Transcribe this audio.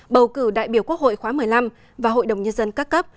bầu cử đại biểu quốc hội khóa một mươi năm và hội đồng nhân dân các cấp